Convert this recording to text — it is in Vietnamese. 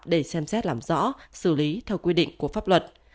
để xem xét làm rõ xử lý theo quy định của pháp luật